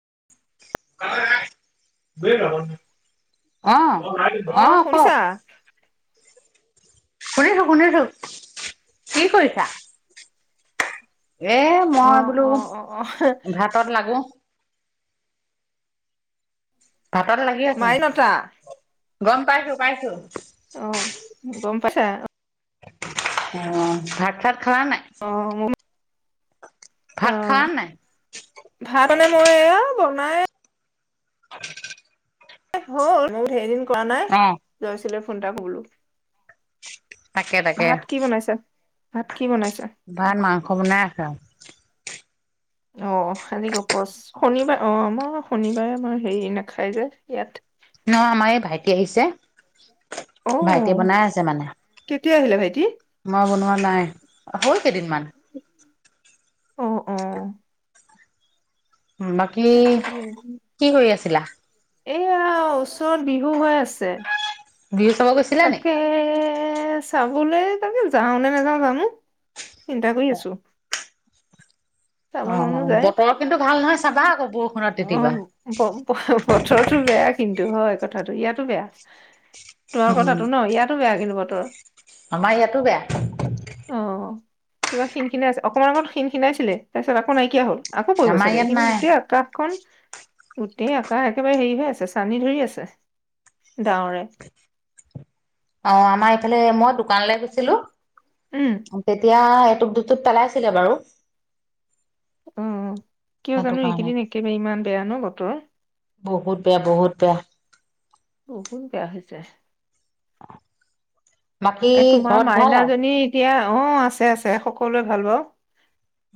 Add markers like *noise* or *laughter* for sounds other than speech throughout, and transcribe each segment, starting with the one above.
অ' অ অ শুনিছা? কওঁক শুনিছো, শুনিছো কি কৰিছা? এ, অ মই বোলো অ অ অ ভাতত লাগো। ভাতত লাগি আছো। মাইনতা গম পাইছো, পাইছো। পচা অ', ভাত তাত খোৱা নাই। অ', মো ভাত খালা অ', নাই? ভাতনে মইয়া বনাই *unintelligible* কৰা নাই অ', লয়ছিলে ফোনটা বলো তাকে, তাকে ভাত কি বনাইছা? ভাত মাংস বনাই আছে আৰু। অ', শালি গপচ শনিবাৰ অ', আমাৰ শনিবাৰে আমাৰ হেৰি নাখায় যে ইয়াত। ন' আমাৰ এই ভাইটি আহিছে, অ ভাইটি বনাই আছে মানে, কেতিয়া আহিলে ভাইটি? মই বনোৱা নাই হ'ত কেইদিনমান অ', অ'। বাকী, তাকে কি কৰি আছে? ছিলা এয়া ওচৰত বিহু হৈ আছে। *unintelligible* গৈছিলা নি? তাকে এ, চাবলৈ তাকে যাওঁ নে নাযাওঁ জানো। চিন্তা কৰি আছো। চাব মানুহ অ', যায় বতৰ কিন্তু ভাল নহয় চাবা আকৌ বৰষুণত তিতিবা অ', বথৰটো বেয়া কিন্তু হয়। কথাটো ইয়াতো বেয়া। তোৰ উম। কথাটো ন' ইয়াতো বেয়ানি *inaudible* আমাৰ ইয়াতো বেয়া কিবা খিন খিনি আছে অকণমান আগত সিনি আছিল তাৰ পিছত আকৌ নাইকিয়া হ'ল। আকৌ পৰিব আমাৰ চাগে ইয়াত কিন্তু নাই গোটেই আকাশখন গোটেই আকা একেবাৰে হেৰি হৈ আছে চানি ধৰি আছে ডাৱৰে। অ', আমাৰ ইফালে মই দোকানলৈ গৈছিলো। উম তেতিয়া নাই এটুপ দুটুপ পেলাইছিলে বাৰু উম, উম কিয় সেইটো জানো, কাৰণে এইকেইদিন একেবাৰে ইমান বেয়া ন বতৰ। বহুত বেয়া, বহুত বেয়া। বহুত বেয়া হৈছে। বাকী এ তোমাৰ ঘৰত ভাল আও মাইনাজনী এতিয়া অ আছে আছে সকলোৰে ভাল বাৰু।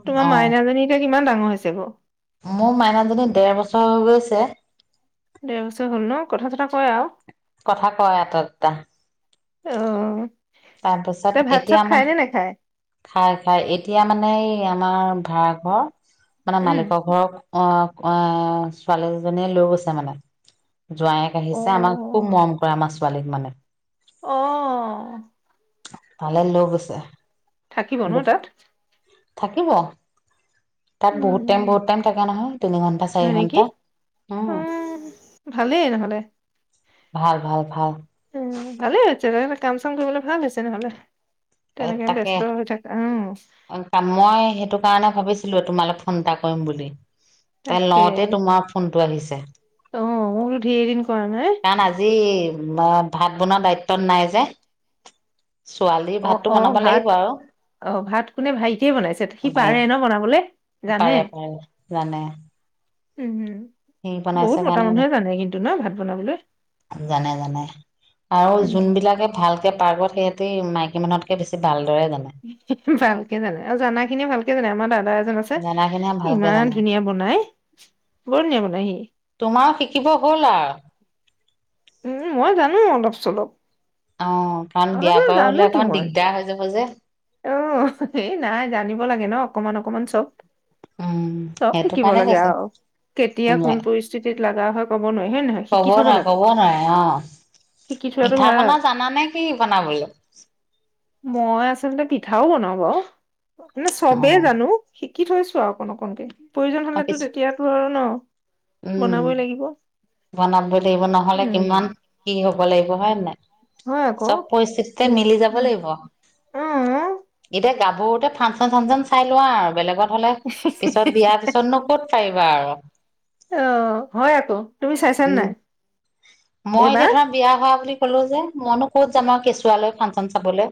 তোমাৰ অ মাইনাজনী এতিয়া কিমান ডাঙৰ হৈছে বাৰু? মোৰ মাইনাজনী দেৰ বছৰ হৈ গৈছে ছে। দেৰ বছৰ হ'ল ন'? কথা চথা কয় আৱ? কথা কয় এটা-দুটা। অহ। তাৰপিছত এতিয়া মান, খায় খায়, এতিয়া মানে এই আমাৰ ভাড়াঘৰ মানে উম মালিকৰ ঘৰ অহ এহ ছোৱালী দুজনীয়ে লৈ গৈছে মানে। জোৱাইয়েক অ আহিছে, আমাক খুব মৰম কৰে আমাক ছোৱালীক মানে। অ ঘৰলে লৈ গৈছে। থাকিব ন তাত থাকিব তাত বহুত টাইম উম, বহুত টাইম থাকে নহয়, তিনি ঘন্টা চাৰি হয় নেকি ঘন্টা অ উম। ভালেই ভাল, ভাল, ভাল উম ভালে হৈছেগৈ কাম-চাম কৰিবলৈ ভাল হৈছে নহ'লে এ তেনেকে তাকে, ব্যস্ত হৈ থাকা অ অ মই সেইটো কাৰণে ভাবিছিলো তোমালে ফোন এটা কৰিম বুলি। তাই তাকে লওঁতে তোমাৰ ফোন উঁতোৱালিছে। অ মোৰো ধেৰ এদিন কাৰণ আজি ম ভাত বনোৱা দায়িত্বত নাই যে ছোৱালীৰ অ ভাতটো অ বনাব ভাত লাগিব আৰু অ ভাত কোনে ভাইটিয়ে বনাইছে সি ভাই পাৰে ন বনাবলে? জানে পাৰে পাৰে জানে উম হুম সি বনাইছে কাৰণে ভাত বনাবলৈ আজি--জানে, জানে--আৰু উম যোনবিলাকে ভালকে পাৰ্গত সেই মইকী মানুহতকে বেছি ভাল। ভালকে জানে আৰু জানা খিনি ভালকে জানে আমাৰ দাদা দাদা এজন আছে জানাখিনিয়ে ভালকে জানে ইমান ধুনীয়া বনাই বৰ ধুনীয়া বনাই সি তোমাৰ শিকিব হ'ল আৰু উম, মই জানো অলপ চলপ। অ কাৰণ বিয়া অলপ বাৰু হলে জানোতো অকমান মই দিগদাৰ হৈ যাব যে অ', এই নাই জানিব লাগে ন অকমান অকমান *unintelligible* উম চব সেইটো শিকিব কাৰণে লাগে কৈছে আৰু কেতিয়া উম কোন পৰিস্থিতিত লাগা হয়, কব নোৱাৰি হয় নে নহয়? কব শিকি থব নোৱাৰে লাগে। কব নোৱাৰে অ শিকি থোৱাতটো পিঠা ভাল। পনা জানানে কি বনাবলৈ মই আঁচলতে পি পিঠাও বনাও বাউ মানে চবেই জানো শিক শিকি থৈছো আৰু অকন অকনকে। প্ৰয়োজন অ হ'লেতো, পিছ তেতিয়াতো আৰু ন? বনাবই লাগিব। বনাবই লাগিব ন'হলে উম কিমান কি হ'ব লাগিব হয়, নে নাই? হয় আকৌ চব পৰিস্থিতিতে মিলি যাব লাগিব, অ এতিয়া গাভৰুতে ফাঞ্চন ছানঞ্চন চাই লোৱা আৰু বেলেগত হ'লে পিছত বিয়াৰ পিছতনো ক'ত *unintelligible* আৰু। অ', হয, আকৌ। তুমি চাইছানে উম, নাই মই এতিয়া এইবাৰ? ধৰা বিয়া হোৱা বুলি ক'লো যে মইনো ক'ত যাম আৰু কেঁচুৱালৈ ফাঞ্চন চাবলৈ।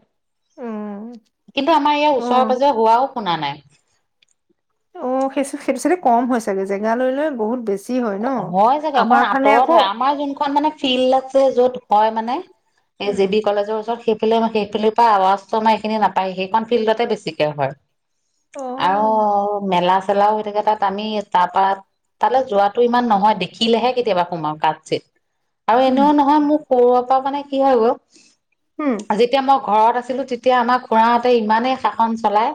উম, কিন্তু আমাৰ ইয়াৰ অ', ওচৰে-পাজৰে হোৱাও শুনা নাই। অ', সেই সেইটো চাগে কম হৈছে চাগে জেগা লৈ লৈ বহুত বেছি। হয় ন? হয় চাগে আমাৰ অকমান ফালে আঁতৰত আকৌ হয় আমাৰ যোনখন মানে ফিল্ড আছে য'ত হয় মানে এ উম, জে বি কলেজৰ ওচৰত সে সেইফিল পৰা আৱাজ তো মই এইখিনি নাপায় সেইখন ফিল্ডতে বেছিকে হয়। আৰু অ', মেলা খেলাও হৈ থাকে তাত আমি তাৰপা তালে যোৱাত ইমান নহয় দেখিলেহে কেতিয়াবা সোমাও কাট চিত। আৰু উম, এনেও নহয় মোক সৰু পৰা মানে কি হৈ উম, গ'ল যেতিয়া মই ঘৰত আছিলো তেতিয়া আমাৰ খুৰাহতে ইমানেই শাসন চলাই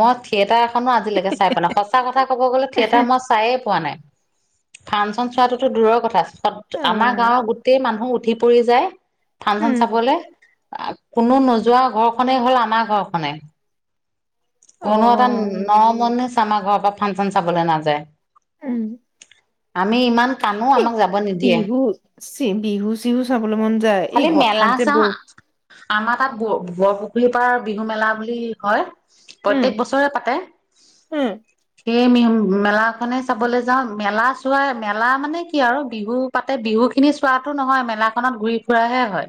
মই থিয়েটাৰ আজিলৈকে চাই পোৱক নাই সঁচ কথা ক'ব গ'লে থিয়েটাৰ মই চায়ে পোৱা নাই। ফাংচন চোৱাতোটো দূৰৰ কথা। আমাৰ অ', গাঁৱৰ গোটেই মানুহ উ ধিপৰি যায়। উম, ফাংচন চাবলে। কোনো নোযোৱা ঘৰখনে হ'ল আমাৰ ঘৰখনে। কোনো এটা অ', ন' মনে আমাৰ ঘৰৰ পৰা ফাংচন চাবলৈ উম, নাযায়। আমি ইমান কাননো এই আমাক যাব নিদিয়ে। বিহু বিহু চিহু চব লৈ মন যায় এই খালি মেলা হঠাতে চাওঁ বৰ আমাৰ তাত ব বৰপুখুৰীৰ পৰাাৰ বিহু মেলা বুলি কয়। উম, প্ৰত্যেক বছৰে পাতে উম, সেয়ে মি মেলাখনে চাবলৈ যাওঁ মেলা চোৱা মেলা মানে কি আৰু বিহু পাতে বিহু খিনি চোৱাতো নহয় মেলা খনত ঘূৰি ফুৰাহে হয়।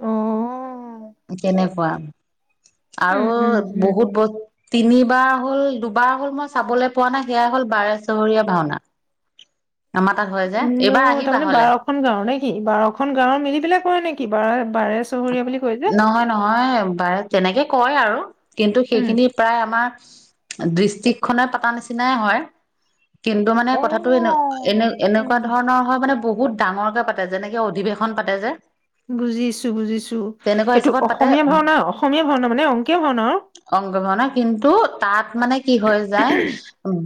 অ'। কেনেকুৱা উম, আৰু উম, উম, বহুত ব তিনিবাৰ হ'ল দু বাৰ হ'ল মই চাবলৈ পোৱা নাই সেয়া হ'ল বাৰে চহৰীয়া ভাওনা। আমাৰ তাত হয় যে উম, এইবাৰ অ', আহিবা তাৰমানে হলে বাৰখন গাওঁৰ নে কি বাৰখন গাঁওৰ মিলিবিলাক হয় নেকি বাৰ বাৰে চহৰীয়া বুলি কয় যে? নহয়, নহয় বাৰ তেনেকে কয় আৰু কিন্তু উম। সেইখিনি প্ৰায় আমাৰ ডৃষ্ট্ৰিক খনে পতা নিচিনাই হয়। কিন্তু মানে অ', কথাটো এনে এনে উম। এনেকুৱা ধৰণৰ হয় মানে বহুত ডাঙৰকে পাতে যেনেকে অধিৱেশন পাতে যে। বুজিছ বুজিছো তেনেকুৱা সেইটো হিচাপত অসমীয়া পাতে ভাওনা অসমীয়া ভাওনা মানে অংকীয়া ভাওনা তাত তাত মানে কি হৈ যায়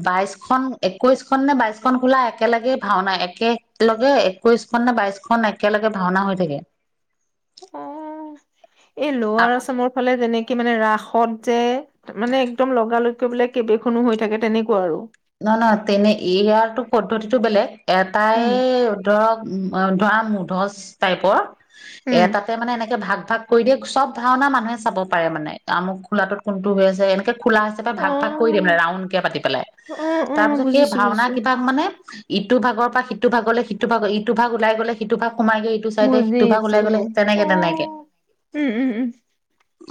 বাই খন একৈশ খন নে বাইশ খন খোলা একেলগে ভাওনা একেলগে একৈশ খন নে বাইশখনন একেলগে ভাওনা হৈ থাকে। অ', এই লোৱৱাৰ আচামৰ ফালে যেনেক কি মানে ৰাসত যে মানে একদম লগালগে বোলে কেইবেইখনো হৈ থাকে তেনেকুৱা আৰু। নহ, নহ তেনে ইয়াৰটো পদ্ধতিতটো বেলেগ। এটাই উম। ধৰক উম, ধৰা মোধচ টাইপৰ, উম, এতাতে মানে এনেকে ভাগ। ভাগ কৰি দিয়ে, চব ভাওনা মানুহে চাব পাৰে মানে, আমুক খোলাটোত কোনটো হৈ আছে এনেকে খোলা হিচাপে ভাগ ভাগ কৰি দিয়ে মানে অ', ৰাউনকে পাতি পেলাই। অ', তাৰ অ', পিছত সেই বুজিছো ভাওনা বুজিছো। কিবাক মানে। ইটো ভাগৰ পৰা সিটো ভাগলৈ, সিটো ভাগ, ইটো ভাগ ওলাই গ'লে সিটো ভাগ। সোমাই গৈ ইটো চাইডে, সিটো ভাগ বুজিছো। ওলাই গ'লে অ', তেনেকে তেনেকে। উম, উম, উম,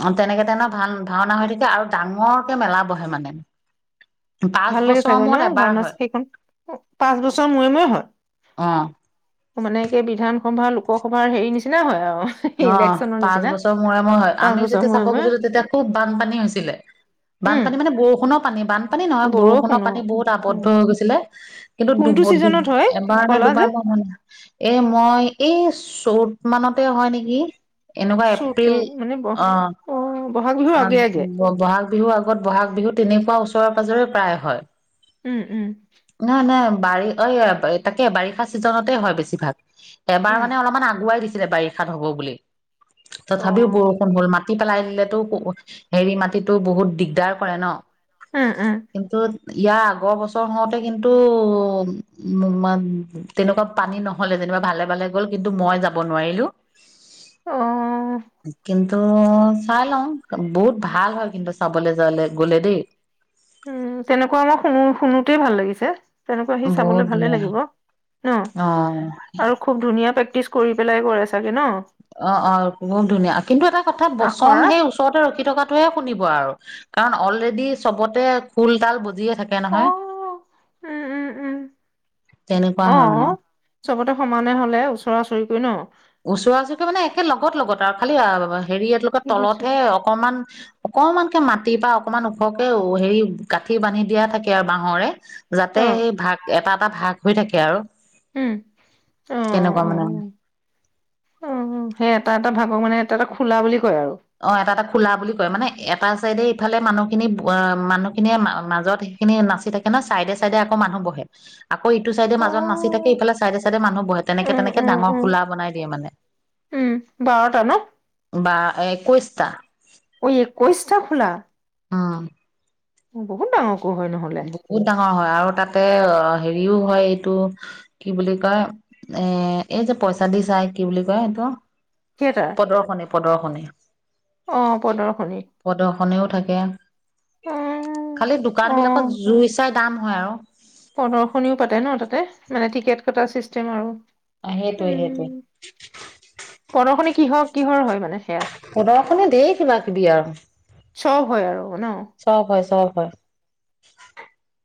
অ' তেনেকে তেনে ভা ভাওনা হৈ থাকে, আৰু ডাঙৰকে মেলা বহে মানে। পাঁচ ভাল লাগি বছৰৰ চাগে ন? মূৰত এবাৰ ভাওনা হয় সেইখন। পাঁচ বছৰ মূৰে মূৰে হয়। অ মানে সেই বিধান। সভাৰ লোকসভাৰ হেৰি নিচিনা হয় আও। অ' পাঁচ বছৰ মূৰে মই হয়। পাঁচ আমি বছৰ যেতিয়া মূৰে চাব মূৰে গৈছিলোঁ, তেতিয়া খুব বানপানী হৈছিলে। বানপানী উম মানে বৰষুণত পানী বান্ধ। পানী নহয়, বৰষুণ বৰষুণৰ অ পানী বহুত উম আবদ্ধ হৈ গৈছিলে। কিন্তুু কোনটো দুব- দুব ছিজনত হয় এবাৰ নে কলা যে দুবাৰ মই ন, এই মই এই চু *unintelligible* চ'ত মানতে হয় নেকি। কি? এনেকুৱা এপ্ৰিল, চ'তৰ মানে ব অ বহাগ বিহুৰ আগে আগে ব-বহাগ। মাঘ বিহু আগত বহাগ বিহু তেনেকুৱা ওচৰে পাজৰে প্ৰায় হয়। *unintelligible* উম উম। নহয় নহয় বাৰি অই' অ, তাকে বাৰিষা চিজনতে হয় বেছি ভাগ। এবাৰ উম মানে অলপমান আগুৱাই দিছে। বাৰিষাত হ'ব বুলি। অ তথাপিও বৰষুণ হ'ল মা। মাটি পেলাই দিলেতো, ক, হেৰি মাটিতো বহুত দিগদাৰ কৰে ন? উম উম কিন্তু ইয়াৰ আগৰ বছৰ হওঁতে কিন্তু--উ মা- তেনেকুৱা পানী নহলে যেনিবা, ভালে ভালে গ'ল। কিন্তু মই যাব নোৱাৰিলো। অ কিন্তু ত' চাই লওঁ, বহুত ভাল হয় কিন্তু চাবলৈ জালে গলে দেই। উম- তেনেকুৱা ম, মই শুনো শুনোতেই ভাল লাগিছে। তেনেকুৱা সি চাবলৈ বহুত ভালে ধুনীয়া লাগিব ন? অ আৰু খুব ধুনীয়া পেক্তিছ। প্ৰেক্টিচ কৰি পেলাই কৰে চাগে ন? অ' অ' বহুত ধুনীয়া। কিন্তু এটা কথা বচন আখৰা সেই ওচৰতে ৰখি থকা। টোৱে শুনিব আৰু, কাৰণ অলৰেডী ছবতে খোল তাল বজিয়ে থাকে নহয় অ', উম, উম, উম, তেনেকুৱা হয় মানে অ', চবতে সমানে হ'লে ওচৰাওচৰি *unintelligible* ওচৰা ওচৰিকীয়া মানে একে লগত লগত আৰু খালি হেৰি, এলোকে ঠিক আছে তলত হে অকমান অকমানকে মাটিৰ পৰা অকমান ওখকে হেৰি গাঁঠি বান্ধি দিয়া থাকে আৰু বাহৰে। যাতে অ সেই ভাগ এটা এটা, ভাগ হৈ থাকে আৰু। উম অ কেনেকুৱা মানে? অ', সেই এটা এটা ভাগৰ মানে এটা এটা খোলা বুলি কয় আৰু অ', এটা এটা খোলা বুলি কয় মানে এটা চাইডে ইফালে মানুহ খিনি, মানুহখিয়ে মাজত সেইখিনি নাচি থাকে, ন' চাইডে চাইডে আকৌ মানুহ বহে। আকৌ ইটো চাইডে অ মাজত নাচি থাকে, ইফালে চাইডে চাইডে মানুহ বহে, তেনেকে উম তেনেকে উম ডাঙৰ উম খোলা বনাই দিয়ে, মানে উম বাৰটা ন বা এক কৈচটা ঐ, একৈশটা খোলা। অ'। বহুত ডাঙৰ বহুত ডাঙৰ হয় আৰু তাতে অ' হেৰিও হয়, এইটো কি বুলি কয়? এ এই যে পইচা দি চাই, কি বুলি কয় এইটো? থিয়েটাৰ প্ৰদৰ্শনী, প্ৰদৰ্শনী। অ', প্ৰদৰ্শনী। প্ৰদৰ্শনীও থাকে অ খালি দোকান অ বিলাকত জুই চাই দাম হয় আৰু। প্ৰদৰ্শনীও পাতে ন' তাতে মানে টিকেট কটা চিষ্টেম আৰু। সেইটো এ, সেইটো এ। উম প্ৰদৰ্শনী কিহৰ কিহৰ হয় মানে সেয়া? পোদৰখনে দেইৰ, কিবা কিবি আৰু চব, হয় আৰু। ন চব হয়, চব। হয়।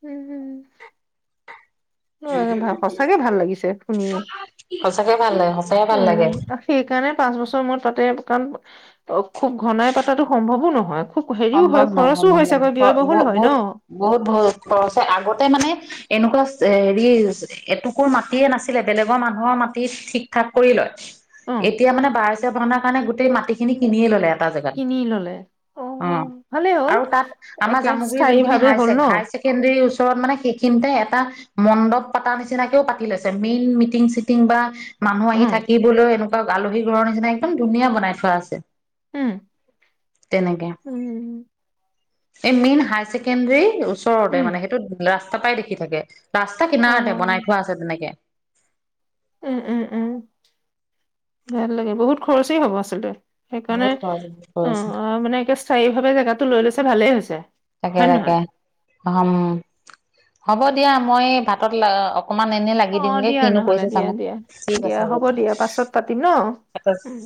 উম, হম। সঁচাকে ভাল লাগিছে শুনিয়ে, সঁচাকে ভাল লাগে সঁচাকে ভাল উম, লাগে সেইকাৰণে পাঁচ বছৰ মূৰত পাতে, কাৰণ অ', খুব ঘনাই পাতাটো সম্ভৱো নহয়। খুব হেৰিও হয় সম্ভৱ নহয়, খৰচো সম্ভৱ হয় নহয়, চাগৈ ব্যয়বহুল বহ হয় ন বহুত, বহুত, বহু খৰচ হয়, আগতে মানে এনেকুৱা হেৰি, এটুকুৰ মাটিয়ে নাছিলে, বেলেগৰ মানুহৰ মাটি ঠিক ঠাক কৰি লয়। অ এতিয়া, মানে বাৰেছে ভাওনা সেই কাৰণে, গোটে মাটিখিনি কিনিয় ল'লে আৰু। কিনি ললে। অঁ ভালেই হ'ল আৰু তাত আমাৰ একে জামুগুৰি স্থায়ী যোনখিনি ভাৱে হাই হ'ল ন হাই ছেকেণ্ডৰীৰ ওচৰ ওচৰত মানে সেইখিনিতে এটা মণ্ডপ পতা নিচিনাকেও পাতি লৈছে মেইন মিটিং চিটিং বা মানুহ আহি উম থাকিবলৈও এনেক একদম আলহী ঘৰ নিচিনা একদম ধুনীয়া বনাই থোৱা আছে। উম তেনেকে। উম এই মেইন হায়াৰ ছেকেণ্ডাৰী ওচৰতে উম মানে সেইটো লাচ ৰাস্তা পাই দেখি থাকে। ৰাস্তা অ কিনাৰতে বনাই থোৱা আছে তেনেকে। উম-উম-উম ভাল লাগে বহুত খৰচি হব আচলতে। সেইকাৰণে বহুত খৰচ হৈ আছে। অঁ মানে একেবাৰে স্থায়ী ভাৱে জেগাতটো লৈ লৈছে ভালেই হৈছে। তাকে হয় নে তাকে নহয় হম। হ'ব দিয়া মই ভাতত লাগ অ', দিয়া নহ'লে দিয়া, দিয়া, ঠিক আছে দিয়া হ'ব দিয়া পাছত পাতিম ন' দিয়া। উম।